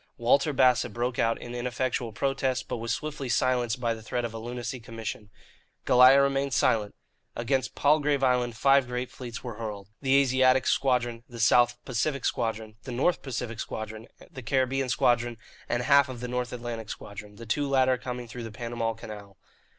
Walter Bassett broke out in ineffectual protest, but was swiftly silenced by the threat of a lunacy commission. Goliah remained silent. Against Palgrave Island five great fleets were hurled the Asiatic Squadron, the South Pacific Squadron, the North Pacific Squadron, the Caribbean Squadron, and half of the North Atlantic Squadron, the two latter coming through the Panama Canal.